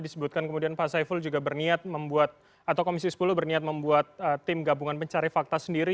disebutkan kemudian pak saiful juga berniat membuat atau komisi sepuluh berniat membuat tim gabungan pencari fakta sendiri